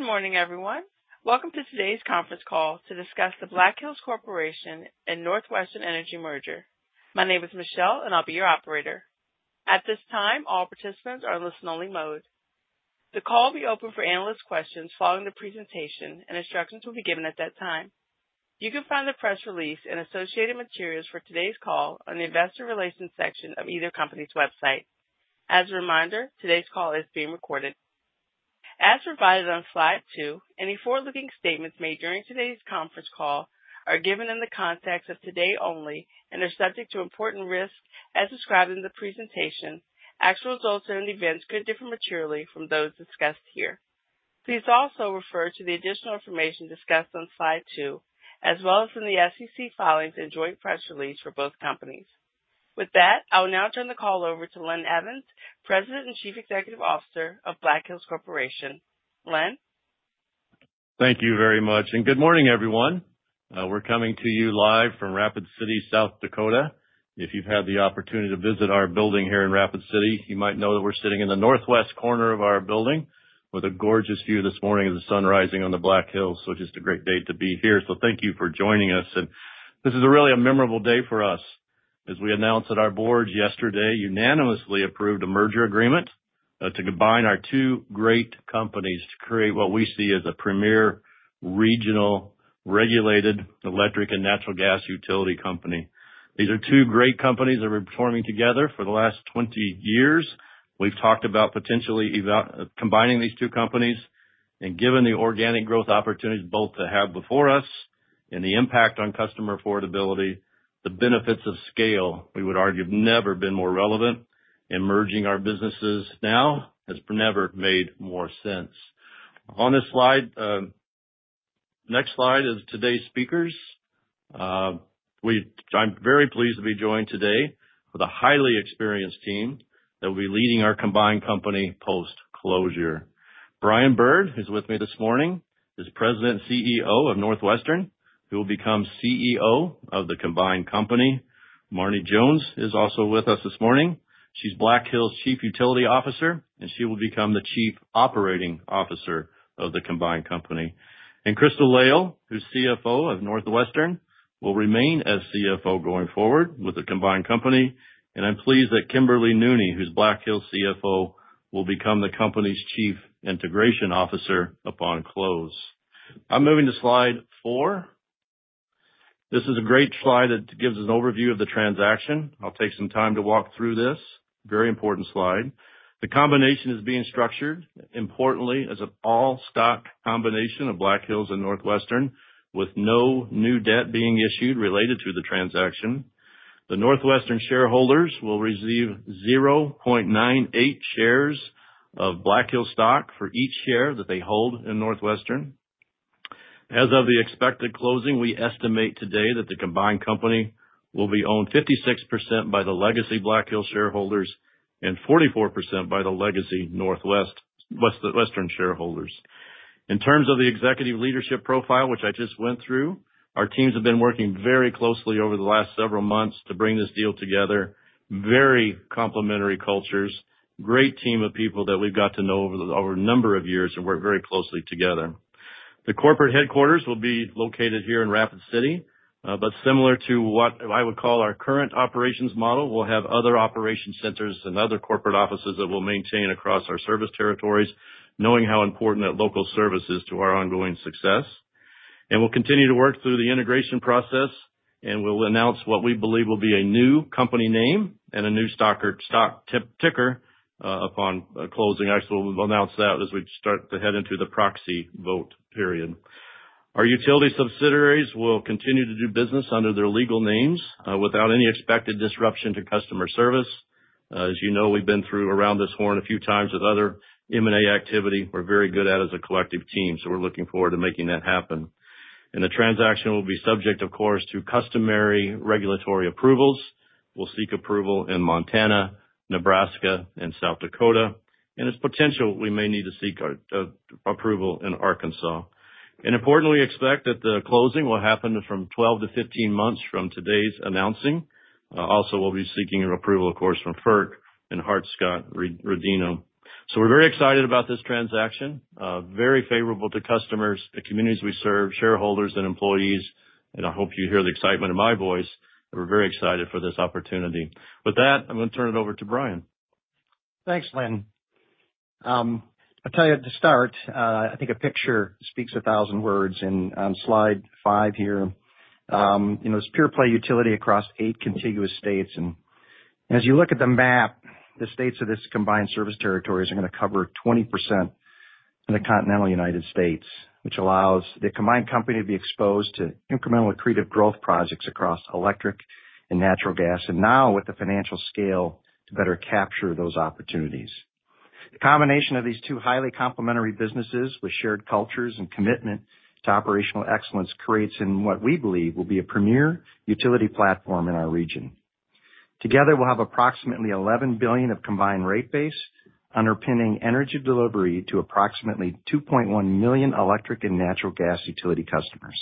Good morning, everyone. Welcome to today's conference call to discuss the Black Hills Corp and NorthWestern Energy merger. My name is Michelle, and I'll be your operator. At this time, all participants are in listen-only mode. The call will be open for analyst questions following the presentation, and instructions will be given at that time. You can find the press release and associated materials for today's call on the Investor Relations section of either company's website. As a reminder, today's call is being recorded. As provided on slide two, any forward-looking statements made during today's conference call are given in the context of today only and are subject to important risk as described in the presentation. Actual results and events could differ materially from those discussed here. Please also refer to the additional information discussed on slide two, as well as in the SEC filings and joint press release for both companies. With that, I will now turn the call over to Linn Evans, President and Chief Executive Officer of Black Hills Corp. Linn. Thank you very much, and good morning, everyone. We're coming to you live from Rapid City, South Dakota. If you've had the opportunity to visit our building here in Rapid City, you might know that we're sitting in the northwest corner of our building with a gorgeous view this morning of the sun rising on the Black Hills. It's just a great day to be here. Thank you for joining us. This is really a memorable day for us as we announced that our board yesterday unanimously approved a merger agreement to combine our two great companies to create what we see as a premier regional regulated electric and natural gas utility company. These are two great companies that are forming together. For the last 20 years, we've talked about potentially combining these two companies, and given the organic growth opportunities both have before us and the impact on customer affordability, the benefits of scale, we would argue, have never been more relevant. Merging our businesses now has never made more sense. On this slide, the next slide is today's speakers. I'm very pleased to be joined today with a highly experienced team that will be leading our combined company post-closure. Brian Bird is with me this morning. He's President and CEO of NorthWestern. He will become CEO of the combined company. Marne Jones is also with us this morning. She's Black Hills Chief Utility Officer, and she will become the Chief Operating Officer of the combined company. Crystal Lail, who's CFO of NorthWestern, will remain as CFO going forward with the combined company. I'm pleased that Kimberly Nooney, who's Black Hills CFO, will become the company's Chief Integration Officer upon close. I'm moving to slide four. This is a great slide that gives an overview of the transaction. I'll take some time to walk through this. Very important slide. The combination is being structured, importantly, as an all-stock combination of Black Hills and NorthWestern, with no new debt being issued related to the transaction. The NorthWestern shareholders will receive 0.98 shares of Black Hills stock for each share that they hold in NorthWestern. As of the expected closing, we estimate today that the combined company will be owned 56% by the legacy Black Hills shareholders and 44% by the legacy NorthWestern shareholders. In terms of the executive leadership profile, which I just went through, our teams have been working very closely over the last several months to bring this deal together. Very complementary cultures, great team of people that we've got to know over a number of years and work very closely together. The corporate headquarters will be located here in Rapid City, but similar to what I would call our current operations model, we'll have other operation centers and other corporate offices that we'll maintain across our service territories, knowing how important that local service is to our ongoing success. We'll continue to work through the integration process, and we'll announce what we believe will be a new company name and a new stock ticker upon closing. Actually, we'll announce that as we start to head into the proxy vote period. Our utility subsidiaries will continue to do business under their legal names without any expected disruption to customer service. As you know, we've been through around this horn a few times with other M&A activity. We're very good at it as a collective team, so we're looking forward to making that happen. The transaction will be subject, of course, to customary regulatory approvals. We'll seek approval in Montana, Nebraska, and South Dakota, and it's possible we may need to seek approval in Arkansas. Importantly, we expect that the closing will happen from 12 to 15 months from today's announcing. We'll be seeking approval, of course, from FERC and Hart-Scott-Rodino. We're very excited about this transaction, very favorable to customers, the communities we serve, shareholders, and employees. I hope you hear the excitement in my voice. We're very excited for this opportunity. With that, I'm going to turn it over to Brian. Thanks, Linn. I'll tell you at the start, I think a picture speaks a thousand words. On slide five here, you know, it's pure play utility across eight contiguous states. As you look at the map, the states of this combined service territories are going to cover 20% of the continental United States, which allows the combined company to be exposed to incremental and accretive growth projects across electric and natural gas, and now with the financial scale to better capture those opportunities. The combination of these two highly complementary businesses with shared cultures and commitment to operational excellence creates what we believe will be a premier utility platform in our region. Together, we'll have approximately $11 billion of combined rate base underpinning energy delivery to approximately 2.1 million electric and natural gas utility customers.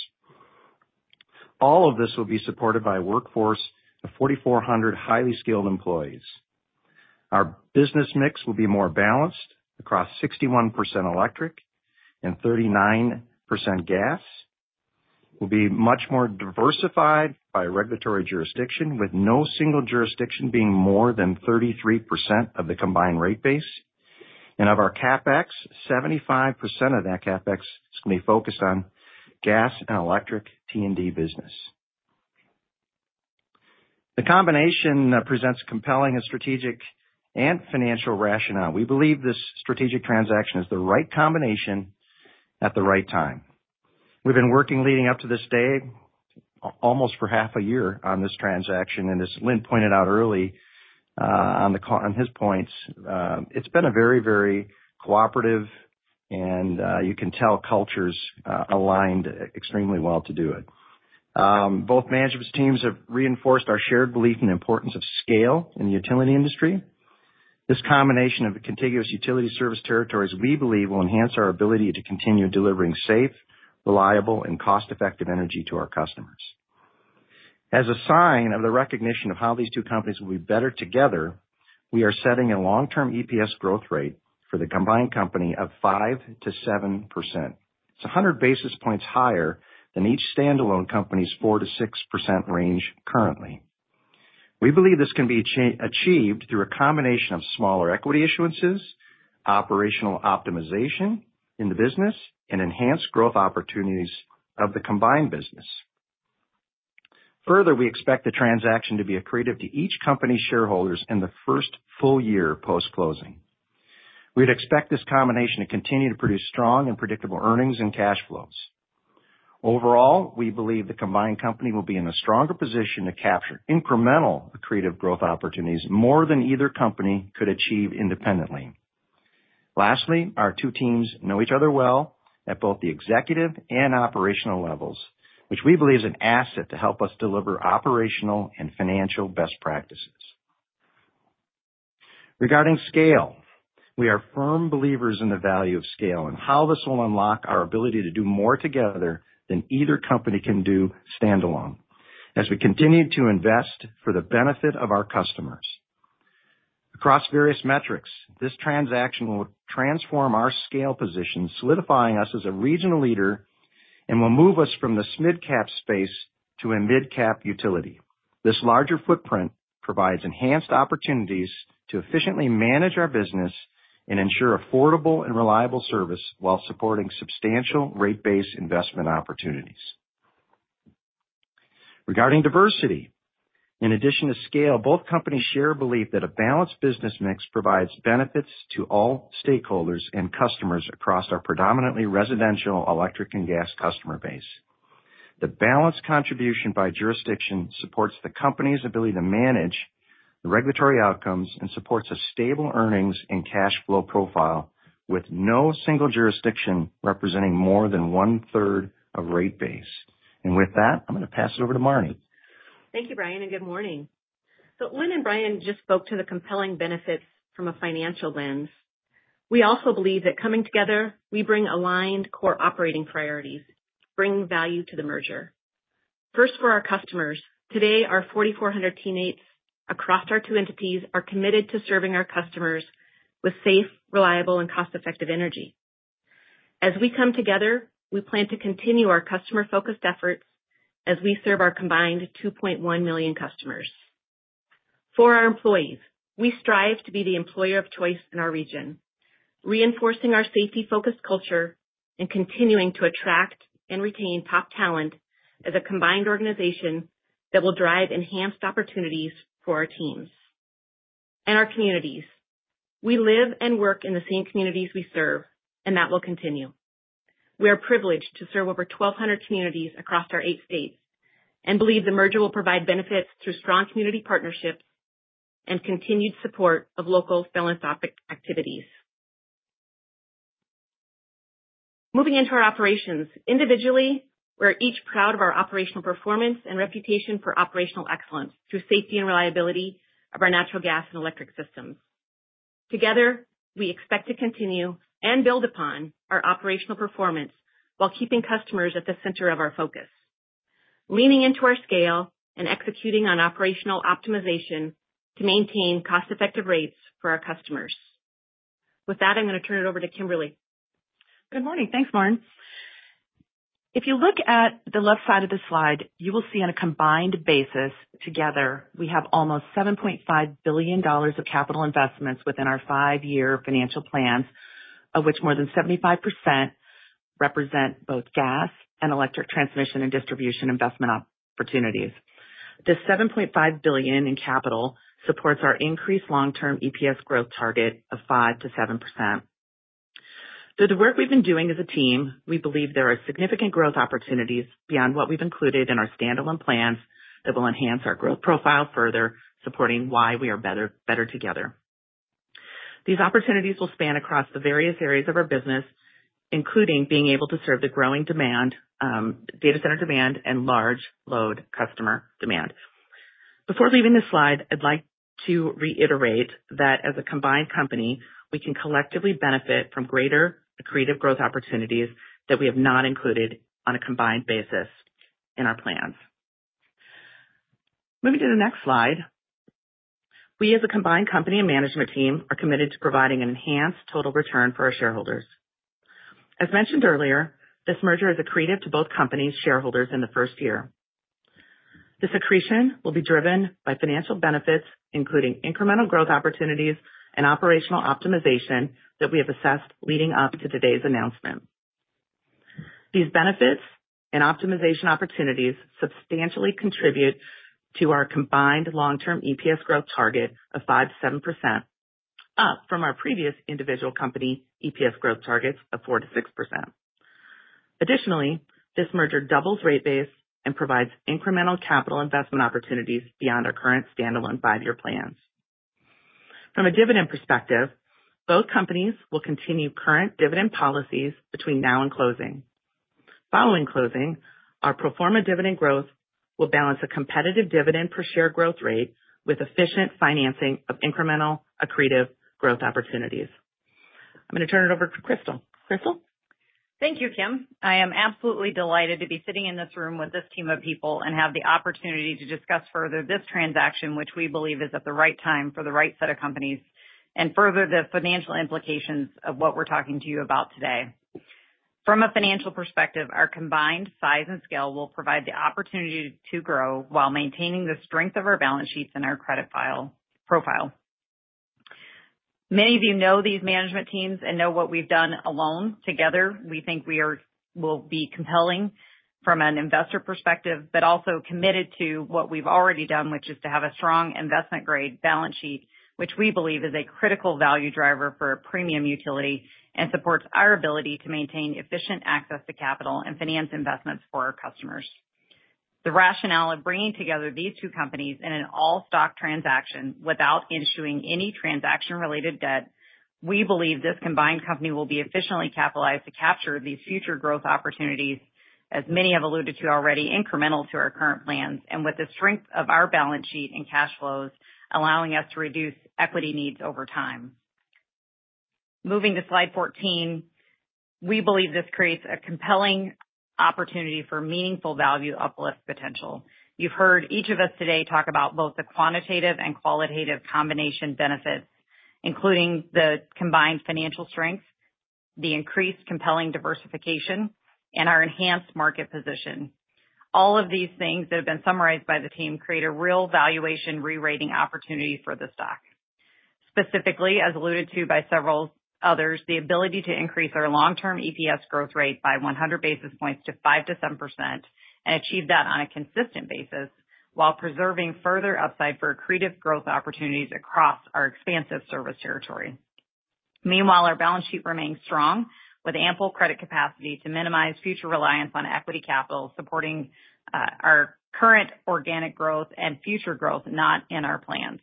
All of this will be supported by a workforce of 4,400 highly skilled employees. Our business mix will be more balanced across 61% electric and 39% gas. We'll be much more diversified by regulatory jurisdiction, with no single jurisdiction being more than 33% of the combined rate base. Of our CapEx, 75% of that CapEx may focus on gas and electric T&D business. The combination presents a compelling and strategic financial rationale. We believe this strategic transaction is the right combination at the right time. We've been working leading up to this day almost for half a year on this transaction. As Linn pointed out early on his points, it's been a very, very cooperative, and you can tell cultures aligned extremely well to do it. Both management teams have reinforced our shared belief in the importance of scale in the utility industry. This combination of contiguous utility service territories we believe will enhance our ability to continue delivering safe, reliable, and cost-effective energy to our customers. As a sign of the recognition of how these two companies will be better together, we are setting a long-term EPS growth rate for the combined company of 5% to 7%. It's 100 basis points higher than each standalone company's 4% to 6% range currently. We believe this can be achieved through a combination of smaller equity issuances, operational optimization in the business, and enhanced growth opportunities of the combined business. Further, we expect the transaction to be accretive to each company's shareholders in the first full year post-closing. We would expect this combination to continue to produce strong and predictable earnings and cash flows. Overall, we believe the combined company will be in a stronger position to capture incremental accretive growth opportunities more than either company could achieve independently. Lastly, our two teams know each other well at both the executive and operational levels, which we believe is an asset to help us deliver operational and financial best practices. Regarding scale, we are firm believers in the value of scale and how this will unlock our ability to do more together than either company can do standalone, as we continue to invest for the benefit of our customers. Across various metrics, this transaction will transform our scale position, solidifying us as a regional leader, and will move us from the SMID cap space to a mid-cap utility. This larger footprint provides enhanced opportunities to efficiently manage our business and ensure affordable and reliable service while supporting substantial rate base investment opportunities. Regarding diversity, in addition to scale, both companies share a belief that a balanced business mix provides benefits to all stakeholders and customers across our predominantly residential electric and gas customer base. The balanced contribution by jurisdiction supports the company's ability to manage the regulatory outcomes and supports a stable earnings and cash flow profile with no single jurisdiction representing more than one third of rate base. With that, I'm going to pass it over to Marne. Thank you, Brian, and good morning. Linn and Brian just spoke to the compelling benefits from a financial lens. We also believe that coming together, we bring aligned core operating priorities, bringing value to the merger. First, for our customers, today, our 4,400 teammates across our two entities are committed to serving our customers with safe, reliable, and cost-effective energy. As we come together, we plan to continue our customer-focused effort as we serve our combined 2.1 million customers. For our employees, we strive to be the employer of choice in our region, reinforcing our safety-focused culture and continuing to attract and retain top talent as a combined organization that will drive enhanced opportunities for our teams and our communities. We live and work in the same communities we serve, and that will continue. We are privileged to serve over 1,200 communities across our eight states and believe the merger will provide benefits through strong community partnerships and continued support of local philanthropic activities. Moving into our operations, individually, we're each proud of our operational performance and reputation for operational excellence through safety and reliability of our natural gas and electric systems. Together, we expect to continue and build upon our operational performance while keeping customers at the center of our focus, leaning into our scale and executing on operational optimization to maintain cost-effective rates for our customers. With that, I'm going to turn it over to Kimberly. Good morning. Thanks, Marn. If you look at the left side of the slide, you will see on a combined basis together, we have almost $7.5 billion of capital investments within our five-year financial plans, of which more than 75% represent both gas and electric transmission and distribution investment opportunities. This $7.5 billion in capital supports our increased long-term EPS growth target of 5% to 7%. Through the work we've been doing as a team, we believe there are significant growth opportunities beyond what we've included in our standalone plans that will enhance our growth profile further, supporting why we are better together. These opportunities will span across the various areas of our business, including being able to serve the growing demand, data center demand, and large load customer demand. Before leaving this slide, I'd like to reiterate that as a combined company, we can collectively benefit from greater accretive growth opportunities that we have not included on a combined basis in our plans. Moving to the next slide, we as a combined company and management team are committed to providing an enhanced total return for our shareholders. As mentioned earlier, this merger is accretive to both companies' shareholders in the first year. This accretion will be driven by financial benefits, including incremental growth opportunities and operational optimization that we have assessed leading up to today's announcement. These benefits and optimization opportunities substantially contribute to our combined long-term EPS growth target of 5% to 7%, up from our previous individual company EPS growth targets of 4% to 6%. Additionally, this merger doubles rate base and provides incremental capital investment opportunities beyond our current standalone five-year plans. From a dividend perspective, both companies will continue current dividend policies between now and closing. Following closing, our pro forma dividend growth will balance a competitive dividend per share growth rate with efficient financing of incremental accretive growth opportunities. I'm going to turn it over to Crystal. Crystal. Thank you, Kim. I am absolutely delighted to be sitting in this room with this team of people and have the opportunity to discuss further this transaction, which we believe is at the right time for the right set of companies and further the financial implications of what we're talking to you about today. From a financial perspective, our combined size and scale will provide the opportunity to grow while maintaining the strength of our balance sheets and our credit profile. Many of you know these management teams and know what we've done alone. Together, we think we will be compelling from an investor perspective, but also committed to what we've already done, which is to have a strong investment-grade balance sheet, which we believe is a critical value driver for a premium utility and supports our ability to maintain efficient access to capital and finance investments for our customers. The rationale of bringing together these two companies in an all-stock transaction without issuing any transaction-related debt, we believe this combined company will be efficiently capitalized to capture these future growth opportunities, as many have alluded to already, incremental to our current plans and with the strength of our balance sheet and cash flows, allowing us to reduce equity needs over time. Moving to slide 14, we believe this creates a compelling opportunity for meaningful value uplift potential. You've heard each of us today talk about both the quantitative and qualitative combination benefits, including the combined financial strengths, the increased compelling diversification, and our enhanced market position. All of these things that have been summarized by the team create a real valuation re-rating opportunity for the stock. Specifically, as alluded to by several others, the ability to increase our long-term EPS growth rate by 100 basis points to 5% to 7% and achieve that on a consistent basis while preserving further upside for accretive growth opportunities across our expansive service territory. Meanwhile, our balance sheet remains strong with ample credit capacity to minimize future reliance on equity capital, supporting our current organic growth and future growth not in our plans.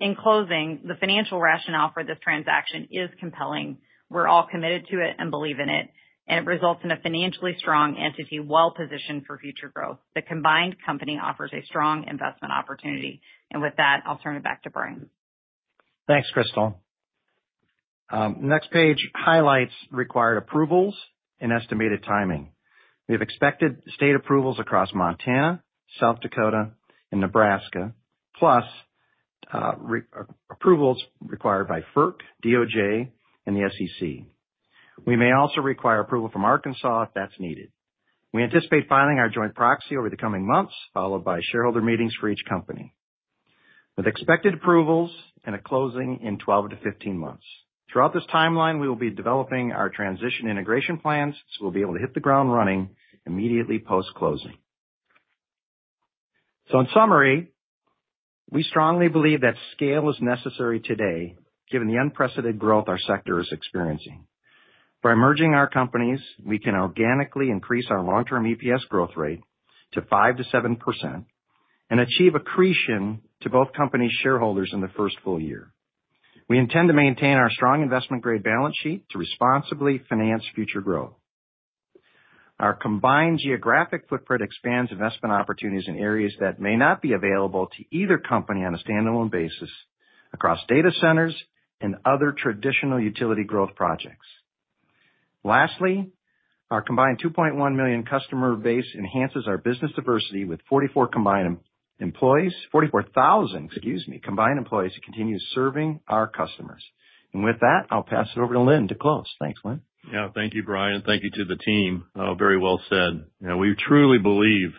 In closing, the financial rationale for this transaction is compelling. We're all committed to it and believe in it, and it results in a financially strong entity well positioned for future growth. The combined company offers a strong investment opportunity. With that, I'll turn it back to Brian. Thanks, Crystal. The next page highlights required approvals and estimated timing. We have expected state approvals across Montana, South Dakota, and Nebraska, plus approvals required by FERC, DOJ, and the SEC. We may also require approval from Arkansas if that's needed. We anticipate filing our joint proxy over the coming months, followed by shareholder meetings for each company, with expected approvals and a closing in 12 to 15 months. Throughout this timeline, we will be developing our transition integration plans, so we'll be able to hit the ground running immediately post-closing. In summary, we strongly believe that scale is necessary today, given the unprecedented growth our sector is experiencing. By merging our companies, we can organically increase our long-term EPS growth rate to 5% to 7% and achieve accretion to both companies' shareholders in the first full year. We intend to maintain our strong investment-grade balance sheet to responsibly finance future growth. Our combined geographic footprint expands investment opportunities in areas that may not be available to either company on a standalone basis across data centers and other traditional utility growth projects. Lastly, our combined 2.1 million customer base enhances our business diversity with 44,000 combined employees to continue serving our customers. I'll pass it over to Linn to close. Thanks, Linn. Thank you, Brian, and thank you to the team. Very well said. We truly believe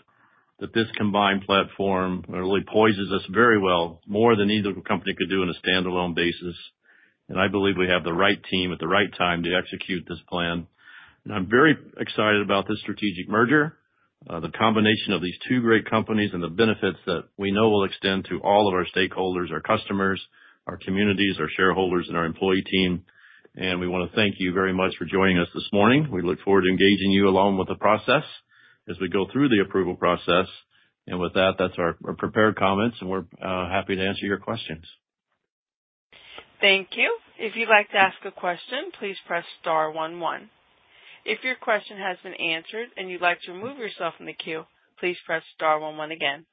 that this combined platform really poises us very well, more than either company could do on a standalone basis. I believe we have the right team at the right time to execute this plan. I'm very excited about this strategic merger, the combination of these two great companies, and the benefits that we know will extend to all of our stakeholders, our customers, our communities, our shareholders, and our employee team. We want to thank you very much for joining us this morning. We look forward to engaging you along with the process as we go through the approval process. With that, that's our prepared comments, and we're happy to answer your questions. Thank you. If you'd like to ask a question, please press star one one. If your question has been answered and you'd like to remove yourself from the queue, please press star one one again.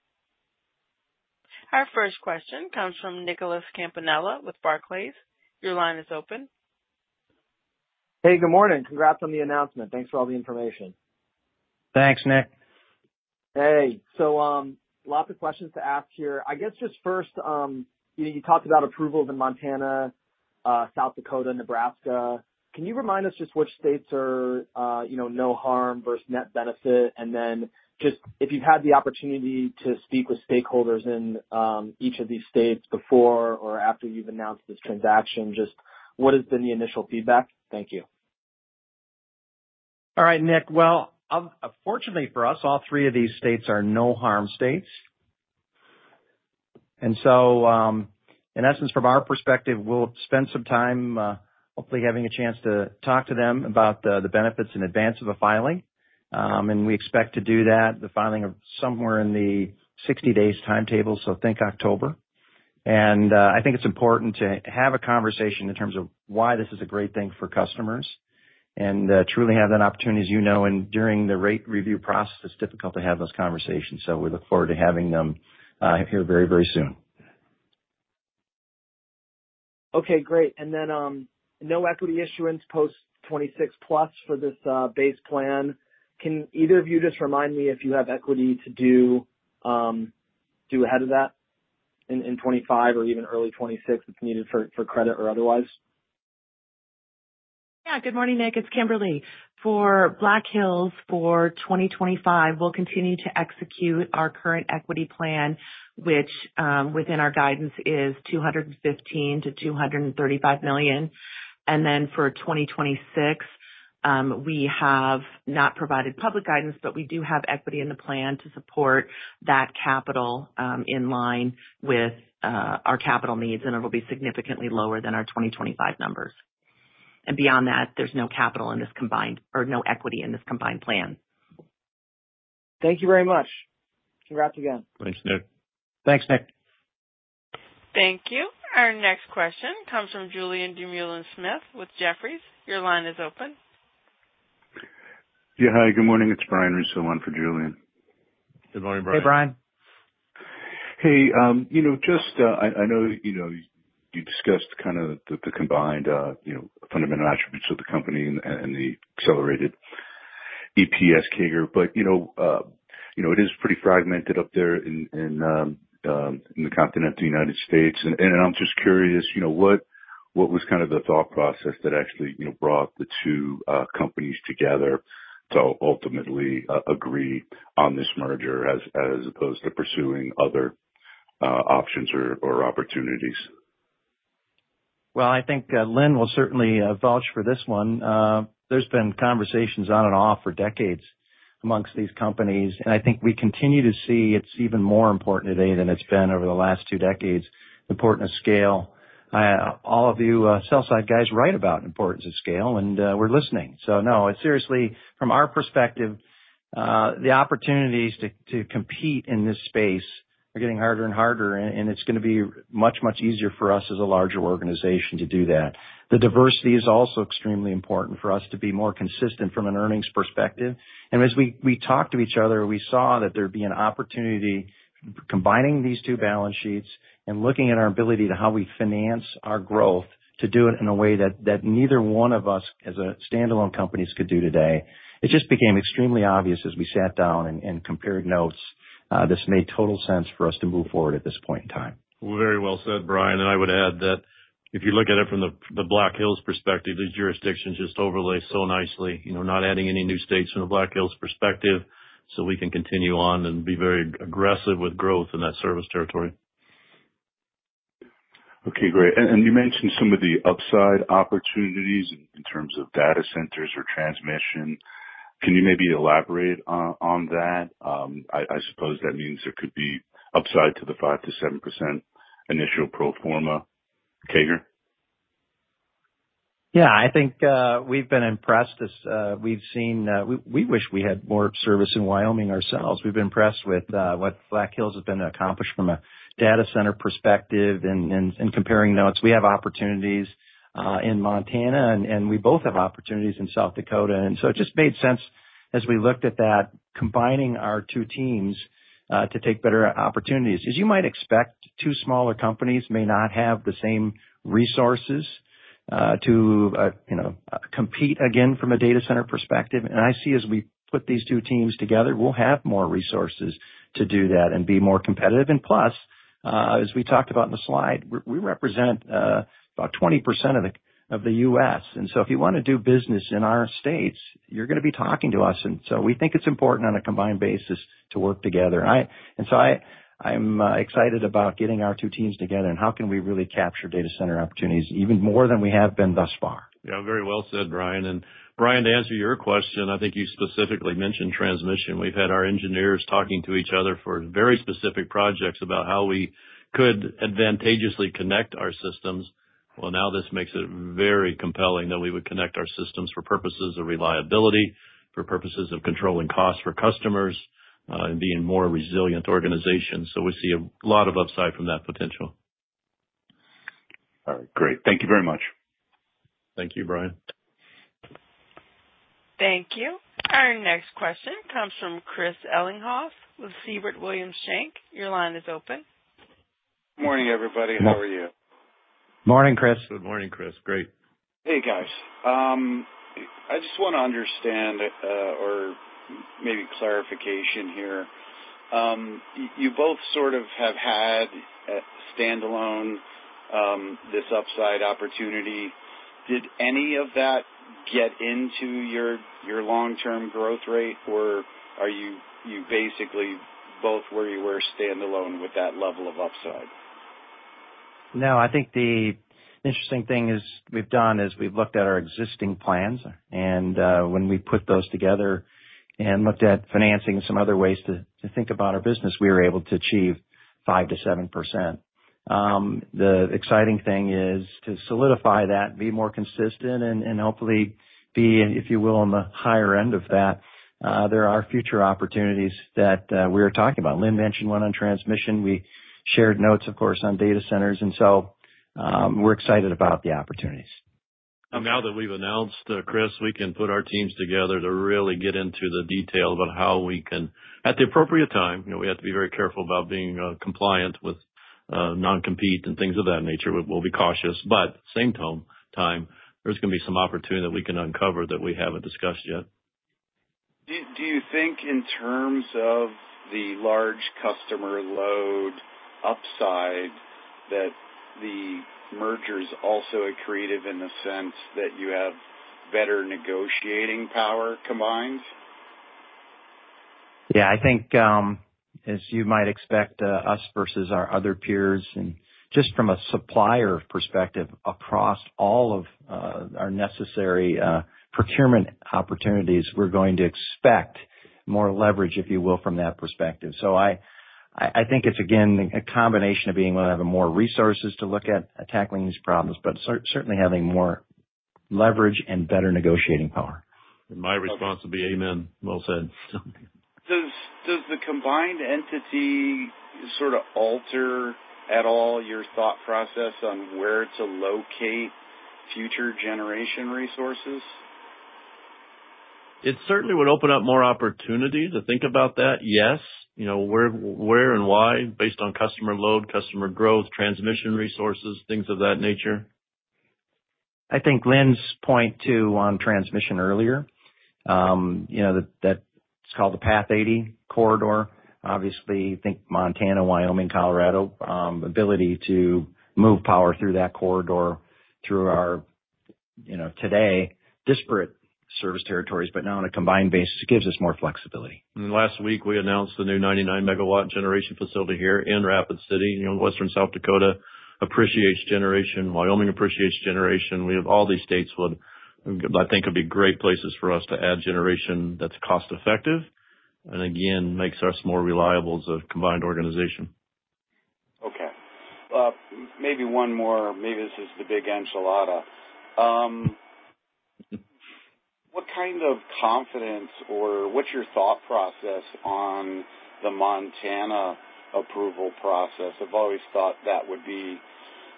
Our first question comes from Nicholas Campanella with Barclays. Your line is open. Hey, good morning. Congrats on the announcement. Thanks for all the information. Thanks, Nick. Hey, lots of questions to ask here. I guess just first, you talked about approvals in Montana, South Dakota, Nebraska. Can you remind us just which states are no harm versus net benefit? If you've had the opportunity to speak with stakeholders in each of these states before or after you've announced this transaction, what has been the initial feedback? Thank you. All right, Nick. Fortunately for us, all three of these states are no-harm states. In essence, from our perspective, we'll spend some time hopefully having a chance to talk to them about the benefits in advance of a filing. We expect to do that, the filing of somewhere in the 60-day timetable, so think October. I think it's important to have a conversation in terms of why this is a great thing for customers and truly have that opportunity, as you know. During the rate review process, it's difficult to have those conversations. We look forward to having them here very, very soon. Okay, great. No equity issuance post-2026 plus for this base plan. Can either of you just remind me if you have equity to do ahead of that in 2025 or even early 2026 if needed for credit or otherwise? Yeah, good morning, Nick. It's Kimberly. For Black Hills for 2025, we'll continue to execute our current equity plan, which within our guidance is $215 to $235 million. For 2026, we have not provided public guidance, but we do have equity in the plan to support that capital in line with our capital needs, and it will be significantly lower than our 2025 numbers. Beyond that, there's no equity in this combined plan. Thank you very much. Congrats again. Thanks, Nick. Thanks, Nick. Thank you. Our next question comes from Julien Dumoulin-Smith with Jefferies. Your line is open. Yeah, hi. Good morning. It's Brian for Julien. Good morning, Brian. Hey, Brian. I know you discussed kind of the combined fundamental attributes of the company and the accelerated EPS CAGR, but it is pretty fragmented up there in the continental United States. I'm just curious, what was kind of the thought process that actually brought the two companies together to ultimately agree on this merger as opposed to pursuing other options or opportunities? I think Linn will certainly vouch for this one. There have been conversations on and off for decades amongst these companies, and I think we continue to see it's even more important today than it's been over the last two decades, the importance of scale. All of you sell-side guys write about the importance of scale, and we're listening. Seriously, from our perspective, the opportunities to compete in this space are getting harder and harder, and it's going to be much, much easier for us as a larger organization to do that. The diversity is also extremely important for us to be more consistent from an earnings perspective. As we talked to each other, we saw that there would be an opportunity combining these two balance sheets and looking at our ability to how we finance our growth to do it in a way that neither one of us as standalone companies could do today. It just became extremely obvious as we sat down and compared notes. This made total sense for us to move forward at this point in time. Very well said, Brian. I would add that if you look at it from the Black Hills perspective, the jurisdiction just overlays so nicely, you know, not adding any new states from the Black Hills perspective, so we can continue on and be very aggressive with growth in that service territory. Okay, great. You mentioned some of the upside opportunities in terms of data centers or transmission. Can you maybe elaborate on that? I suppose that means there could be upside to the 5% to 7% initial pro forma CAGR? Yeah, I think we've been impressed. We wish we had more service in Wyoming ourselves. We've been impressed with what Black Hills has accomplished from a data center perspective. In comparing notes, we have opportunities in Montana, and we both have opportunities in South Dakota. It just made sense as we looked at that, combining our two teams to take better opportunities. As you might expect, two smaller companies may not have the same resources to, you know, compete again from a data center perspective. I see as we put these two teams together, we'll have more resources to do that and be more competitive. Plus, as we talked about in the slide, we represent about 20% of the U.S. If you want to do business in our states, you're going to be talking to us. We think it's important on a combined basis to work together. I'm excited about getting our two teams together and how we can really capture data center opportunities even more than we have been thus far. Yeah, very well said, Brian. Brian, to answer your question, I think you specifically mentioned electric transmission. We've had our engineers talking to each other for very specific projects about how we could advantageously connect our systems. This makes it very compelling that we would connect our systems for purposes of reliability, for purposes of controlling costs for customers, and being a more resilient organization. We see a lot of upside from that potential. All right, great. Thank you very much. Thank you, Brian. Thank you. Our next question comes from Chris Ellinghaus with Siebert Williams Shank. Your line is open. Morning, everybody. How are you? Morning, Chris. Good morning, Chris. Great. Hey, guys. I just want to understand or maybe clarification here. You both sort of have had standalone this upside opportunity. Did any of that get into your long-term growth rate, or are you basically both where you were standalone with that level of upside? No, I think the interesting thing is we've done is we've looked at our existing plans. When we put those together and looked at financing and some other ways to think about our business, we were able to achieve 5% to 7%. The exciting thing is to solidify that and be more consistent and hopefully be, if you will, on the higher end of that. There are future opportunities that we are talking about. Linn mentioned one on electric transmission. We shared notes, of course, on data center energy service agreements. We are excited about the opportunities. Now that we've announced, Chris, we can put our teams together to really get into the detail about how we can, at the appropriate time. We have to be very careful about being compliant with non-compete and things of that nature. We'll be cautious, but at the same time, there's going to be some opportunity that we can uncover that we haven't discussed yet. Do you think in terms of the large customer load upside that the merger is also accretive in the sense that you have better negotiating power combined? I think, as you might expect, us versus our other peers, and just from a supplier perspective across all of our necessary procurement opportunities, we're going to expect more leverage, if you will, from that perspective. I think it's, again, a combination of being able to have more resources to look at tackling these problems, but certainly having more leverage and better negotiating power. My response would be amen, well said. Does the combined entity sort of alter at all your thought process on where to locate future generation resources? It certainly would open up more opportunity to think about that, yes. You know, where and why, based on customer load, customer growth, transmission resources, things of that nature. I think Linn's point too on transmission earlier, you know, that it's called the Path 80 corridor. Obviously, I think Montana, Wyoming, Colorado, the ability to move power through that corridor through our, you know, today, disparate service territories, but now on a combined basis, it gives us more flexibility. Last week, we announced the new 99 megawatt generation facility here in Rapid City. Western South Dakota appreciates generation. Wyoming appreciates generation. We have all these states that I think would be great places for us to add generation that's cost-effective and, again, makes us more reliable as a combined organization. Okay. Maybe one more, maybe this is the big enchilada. What kind of confidence or what's your thought process on the Montana approval process? I've always thought that would be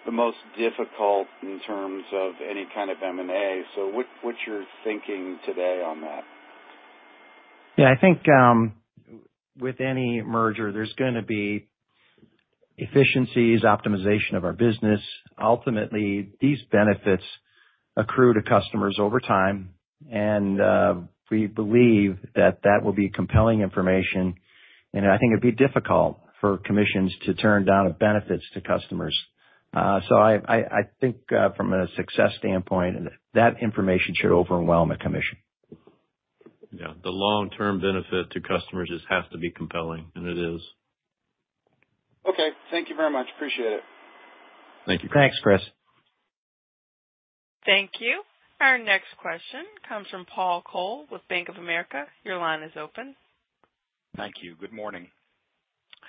the most difficult in terms of any kind of M&A. What's your thinking today on that? Yeah, I think with any merger, there's going to be efficiencies, optimization of our business. Ultimately, these benefits accrue to customers over time. We believe that that will be compelling information. I think it'd be difficult for commissions to turn down benefits to customers. I think from a success standpoint, that information should overwhelm a commission. Yeah, the long-term benefit to customers just has to be compelling, and it is. Okay, thank you very much. Appreciate it. Thank you. Thanks, Chris. Thank you. Our next question comes from Paul Kole with Bank of America. Your line is open. Thank you. Good morning.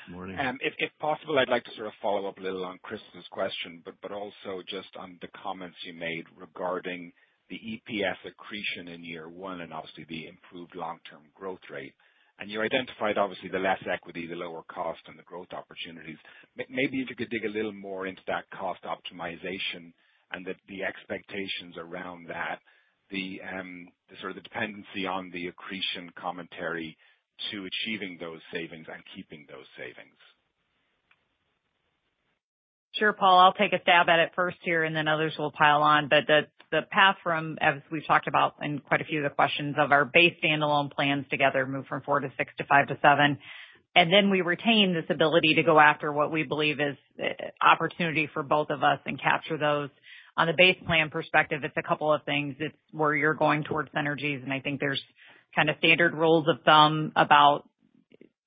Good morning. If possible, I'd like to sort of follow up a little on Chris' question, but also just on the comments you made regarding the EPS accretion in year one and obviously the improved long-term growth rate. You identified obviously the less equity, the lower cost, and the growth opportunities. Maybe if you could dig a little more into that cost optimization and the expectations around that, the sort of the dependency on the accretion commentary to achieving those savings and keeping those savings. Sure, Paul. I'll take a stab at it first here, and then others will pile on. The path from, as we've talked about in quite a few of the questions, of our base standalone plans together move from 4 to 6 to 5 to 7. We retain this ability to go after what we believe is opportunity for both of us and capture those. On the base plan perspective, it's a couple of things. It's where you're going towards synergies. I think there's kind of standard rules of thumb about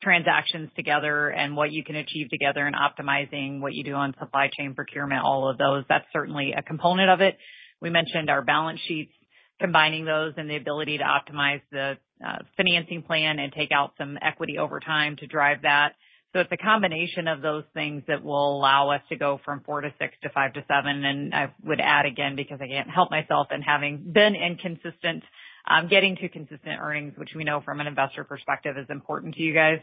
transactions together and what you can achieve together and optimizing what you do on supply chain procurement, all of those. That's certainly a component of it. We mentioned our balance sheets, combining those and the ability to optimize the financing plan and take out some equity over time to drive that. It's a combination of those things that will allow us to go from 4 to 6 to 5 to 7. I would add again, because I can't help myself in having been inconsistent, getting to consistent earnings, which we know from an investor perspective is important to you guys.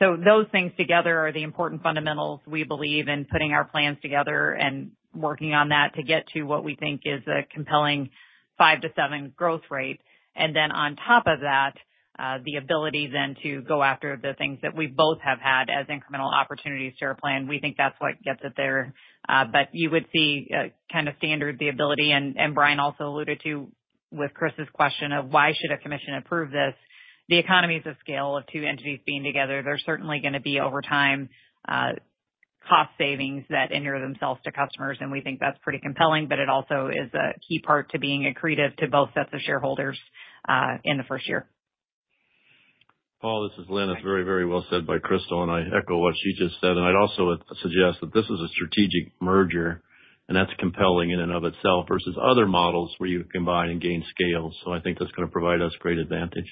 Those things together are the important fundamentals we believe in putting our plans together and working on that to get to what we think is a compelling 5 to 7 growth rate. On top of that, the ability then to go after the things that we both have had as incremental opportunities to our plan. We think that's what gets it there. You would see kind of standard the ability. Brian also alluded to with Chris' question of why should a commission approve this? The economies of scale of two entities being together, there's certainly going to be over time cost savings that endear themselves to customers. We think that's pretty compelling, but it also is a key part to being accretive to both sets of shareholders in the first year. Paul, this is Linn. It's very, very well said by Crystal, and I echo what she just said. I'd also suggest that this is a strategic merger, and that's compelling in and of itself versus other models where you combine and gain scale. I think that's going to provide us great advantage.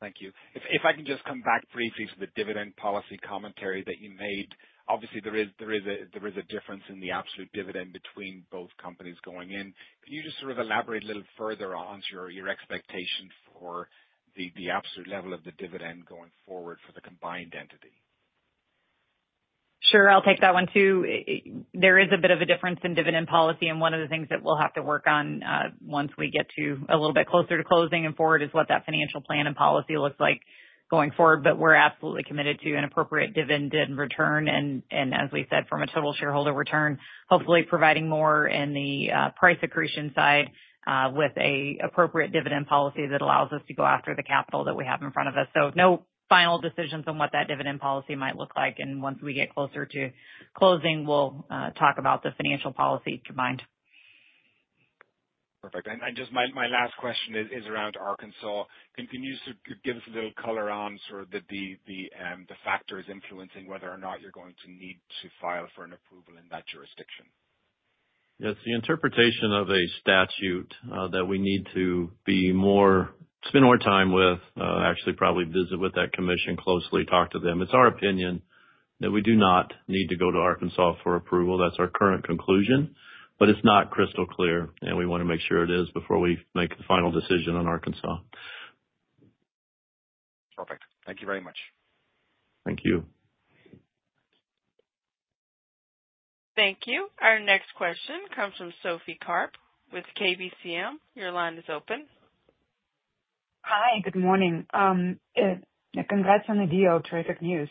Thank you. If I can just come back briefly to the dividend policy commentary that you made, obviously there is a difference in the absolute dividend between both companies going in. Can you just sort of elaborate a little further on your expectation for the absolute level of the dividend going forward for the combined entity? Sure, I'll take that one too. There is a bit of a difference in dividend policy, and one of the things that we'll have to work on once we get a little bit closer to closing and forward is what that financial plan and policy looks like going forward. We're absolutely committed to an appropriate dividend return. As we said, from a total shareholder return, hopefully providing more in the price accretion side with an appropriate dividend policy that allows us to go after the capital that we have in front of us. No final decisions on what that dividend policy might look like. Once we get closer to closing, we'll talk about the financial policy combined. Perfect. Just my last question is around Arkansas. Can you give us a little color on the factors influencing whether or not you're going to need to file for an approval in that jurisdiction? Yes, the interpretation of a statute that we need to spend more time with, actually probably visit with that commission closely, talk to them. It's our opinion that we do not need to go to Arkansas for approval. That's our current conclusion, but it's not crystal clear, and we want to make sure it is before we make the final decision on Arkansas. Perfect. Thank you very much. Thank you. Thank you. Our next question comes from Sophie Karp with KBCM. Your line is open. Hi, good morning. Congrats on the deal, terrific news.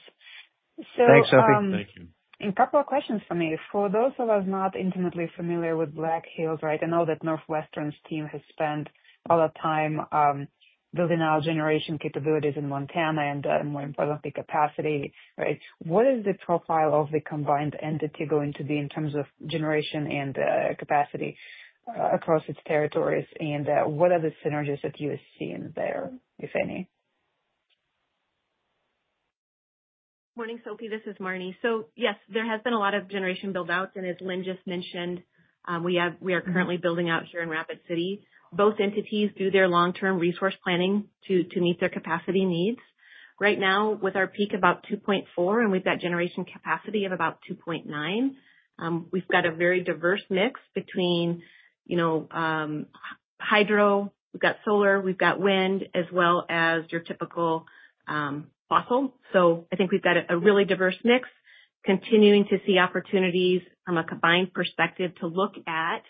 Thanks, Sophie. Thank you. A couple of questions for me. For those of us not intimately familiar with Black Hills, right, I know that NorthWestern's team has spent a lot of time building out generation capabilities in Montana and, more importantly, capacity, right? What is the profile of the combined entity going to be in terms of generation and capacity across its territories, and what are the synergies that you see in there, if any? Morning, Sophie. This is Marne. Yes, there has been a lot of generation buildouts, and as Linn just mentioned, we are currently building out here in Rapid City. Both entities do their long-term resource planning to meet their capacity needs. Right now, with our peak about 2.4, and we've got generation capacity of about 2.9, we've got a very diverse mix between hydro, we've got solar, we've got wind, as well as your typical fossil. I think we've got a really diverse mix, continuing to see opportunities from a combined perspective to look at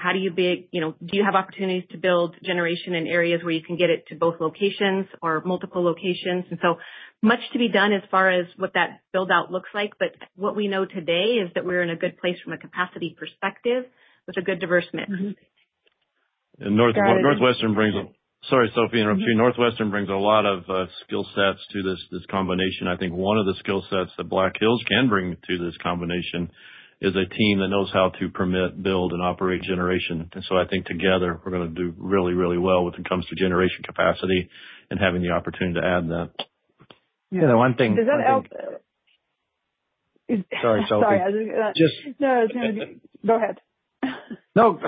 how do you be, do you have opportunities to build generation in areas where you can get it to both locations or multiple locations? There is much to be done as far as what that buildout looks like. What we know today is that we're in a good place from a capacity perspective with a good diverse mix. NorthWestern brings a lot of skill sets to this combination. I think one of the skill sets that Black Hills can bring to this combination is a team that knows how to permit, build, and operate generation. I think together, we're going to do really, really well when it comes to generation capacity and having the opportunity to add that. Yeah, the one thing is. Does that help? Sorry, Sophie. Sorry. Just. No, it's going to be. Go ahead. No,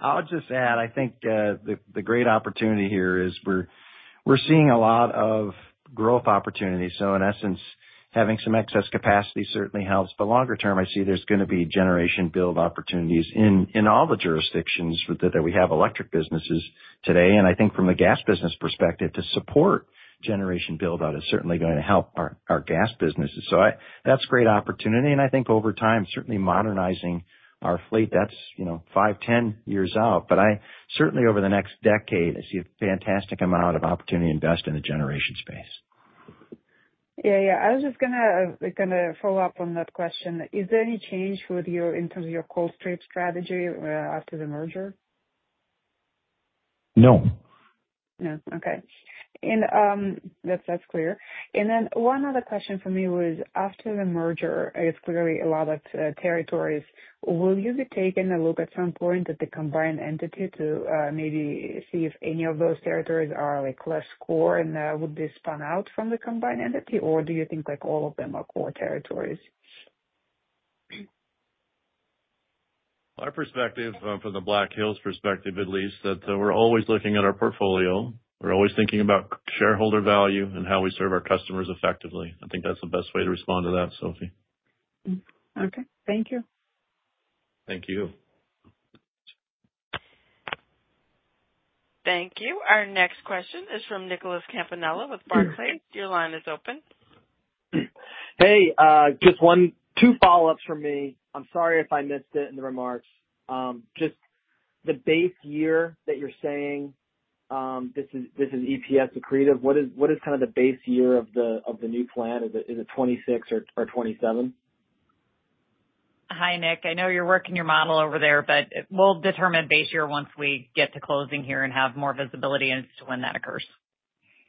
I'll just add, I think the great opportunity here is we're seeing a lot of growth opportunities. In essence, having some excess capacity certainly helps. Longer term, I see there's going to be generation build opportunities in all the jurisdictions that we have electric businesses today. I think from the gas business perspective, to support generation buildout is certainly going to help our gas businesses. That's a great opportunity. I think over time, certainly modernizing our fleet, that's, you know, 5, 10 years out. I certainly, over the next decade, see a fantastic amount of opportunity to invest in the generation space. Yeah, yeah. I was just going to follow up on that question. Is there any change with your Colstrip strategy after the merger? No. Okay, that's clear. One other question for me was, after the merger, it's clearly a lot of territories. Will you be taking a look at some point at the combined entity to maybe see if any of those territories are less core and would be spun out from the combined entity, or do you think all of them are core territories? From the Black Hills perspective at least, we're always looking at our portfolio. We're always thinking about shareholder value and how we serve our customers effectively. I think that's the best way to respond to that, Sophie. Okay, thank you. Thank you. Thank you. Our next question is from Nicholas Campanella with Barclays. Your line is open. Just one, two follow-ups from me. I'm sorry if I missed it in the remarks. Just the base year that you're saying this is EPS accretive, what is kind of the base year of the new plan? Is it 2026 or 2027? Hi, Nick. I know you're working your model over there, but we'll determine base year once we get to closing here and have more visibility as to when that occurs.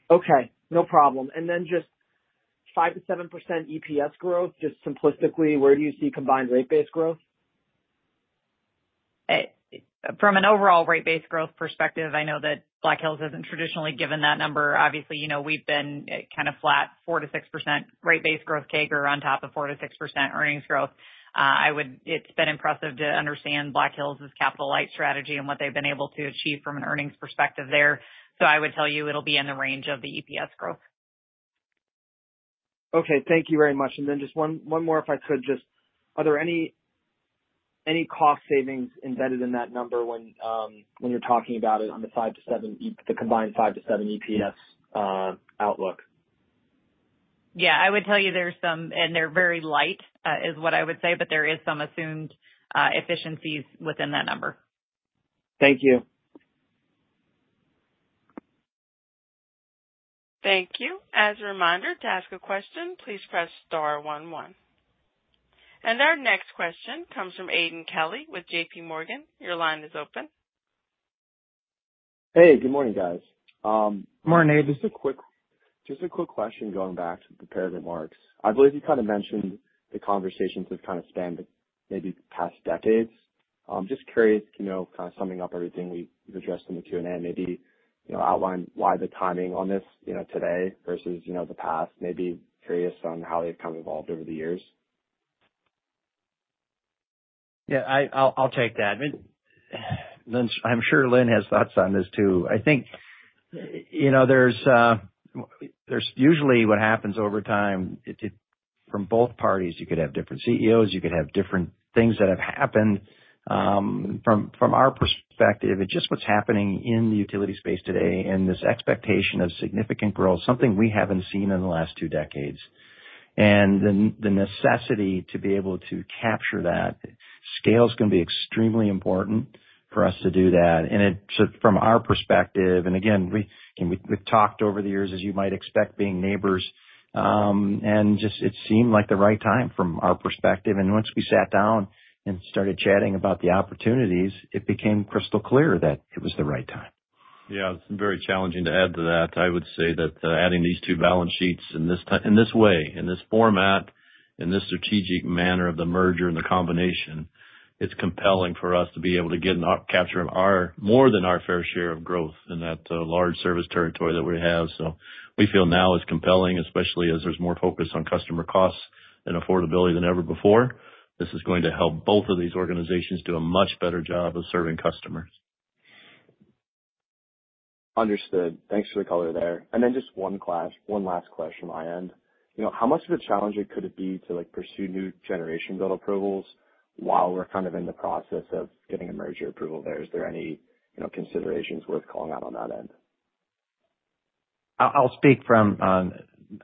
Okay. No problem. Just 5% to 7% EPS growth, just simplistically, where do you see combined rate base growth? From an overall rate base growth perspective, I know that Black Hills isn't traditionally given that number. Obviously, you know, we've been kind of flat 4% to 6% rate base growth CAGR on top of 4% to 6% earnings growth. I would, it's been impressive to understand Black Hills' Capital-Light strategy and what they've been able to achieve from an earnings perspective there. I would tell you it'll be in the range of the EPS growth. Okay. Thank you very much. Just one more if I could, are there any cost savings embedded in that number when you're talking about it on the 5 to 7, the combined 5 to 7 EPS outlook? Yeah, I would tell you there's some, and they're very light is what I would say, but there is some assumed efficiencies within that number. Thank you. Thank you. As a reminder, to ask a question, please press star one one. Our next question comes from Aidan Kelly with JPMorgan. Your line is open. Hey, good morning, guys. Morning, Aidan. Just a quick question going back to the pair of remarks. I believe you kind of mentioned the conversations have kind of spanned maybe the past decades. I'm just curious, you know, kind of summing up everything we've addressed in the Q&A, maybe outline why the timing on this today versus the past. Maybe curious on how they've kind of evolved over the years. Yeah, I'll take that. I'm sure Linn has thoughts on this too. I think, you know, there's usually what happens over time. From both parties, you could have different CEOs. You could have different things that have happened. From our perspective, it's just what's happening in the utility space today and this expectation of significant growth, something we haven't seen in the last two decades. The necessity to be able to capture that scale is going to be extremely important for us to do that. It's from our perspective, and again, we've talked over the years, as you might expect, being neighbors. It seemed like the right time from our perspective. Once we sat down and started chatting about the opportunities, it became crystal clear that it was the right time. Yeah, it's very challenging to add to that. I would say that adding these two balance sheets in this way, in this format, in this strategic manner of the merger and the combination, it's compelling for us to be able to get and capture more than our fair share of growth in that large service territory that we have. We feel now it's compelling, especially as there's more focus on customer costs and affordability than ever before. This is going to help both of these organizations do a much better job of serving customers. Understood. Thanks for the color there. Just one last question on my end. How much of a challenge could it be to pursue new generation build approvals while we're kind of in the process of getting a merger approval there? Is there any considerations worth calling out on that end? I'll speak from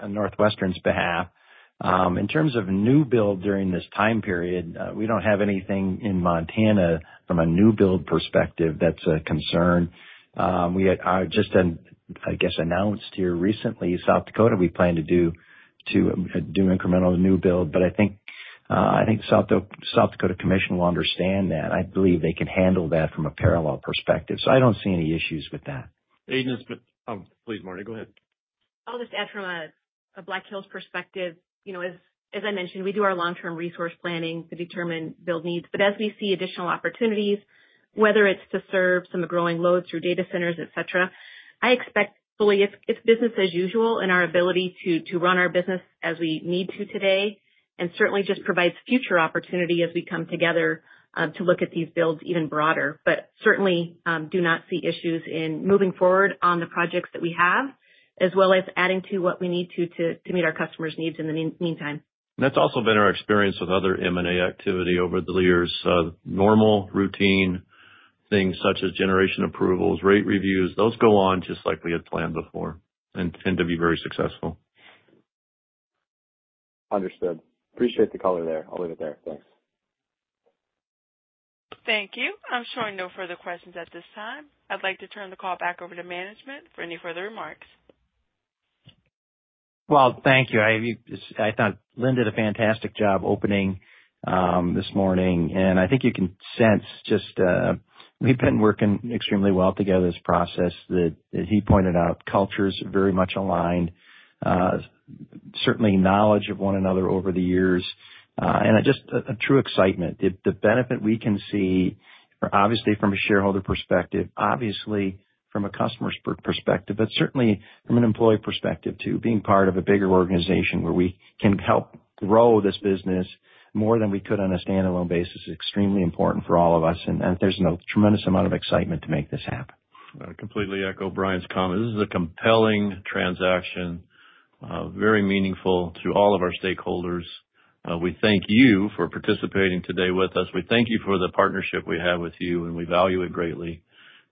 NorthWestern's behalf. In terms of new build during this time period, we don't have anything in Montana from a new build perspective that's a concern. We are just, I guess, announced here recently, South Dakota, we plan to do incremental new build. I think the South Dakota Commission will understand that. I believe they can handle that from a parallel perspective. I don't see any issues with that. Aidan, please, Marne, go ahead. I'll just add from a Black Hills perspective. You know, as I mentioned, we do our long-term resource planning to determine build needs. As we see additional opportunities, whether it's to serve some of the growing loads through data centers, etc., I expect fully it's business as usual and our ability to run our business as we need to today. It certainly just provides future opportunity as we come together to look at these builds even broader. I certainly do not see issues in moving forward on the projects that we have, as well as adding to what we need to to meet our customers' needs in the meantime. That's also been our experience with other M&A activity over the years. Normal routine things such as generation approvals, rate reviews, those go on just like we had planned before and tend to be very successful. Understood. Appreciate the color there. I'll leave it there. Thanks. Thank you. I'm showing no further questions at this time. I'd like to turn the call back over to management for any further remarks. Thank you. I thought Linn did a fantastic job opening this morning. I think you can sense just we've been working extremely well together as a process that he pointed out, cultures very much aligned, certainly knowledge of one another over the years, and just a true excitement. The benefit we can see, obviously from a shareholder perspective, obviously from a customer's perspective, but certainly from an employee perspective too, being part of a bigger organization where we can help grow this business more than we could on a standalone basis is extremely important for all of us. There's a tremendous amount of excitement to make this happen. Completely echo Brian's comment. This is a compelling transaction, very meaningful to all of our stakeholders. We thank you for participating today with us. We thank you for the partnership we have with you, and we value it greatly.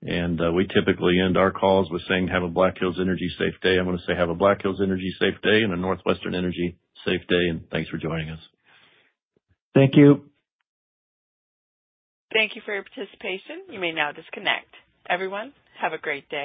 We typically end our calls with saying, "Have a Black Hills Energy Safe Day." I'm going to say, "Have a Black Hills Energy Safe Day and a NorthWestern Energy Safe Day, and thanks for joining us. Thank you. Thank you for your participation. You may now disconnect. Everyone, have a great day.